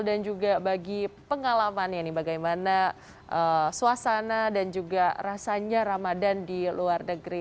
dan juga bagi pengalaman ya nih bagaimana suasana dan juga rasanya ramadan di luar negeri